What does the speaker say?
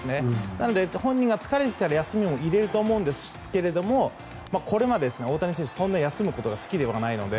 なので、本人がつかれていれば休みを入れると思うんですが大谷選手、そんなに休むことが好きではないので